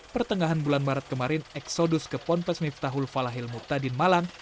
pertengahan bulan maret kemarin eksodus ke pompes miftahul falahil muktadin malang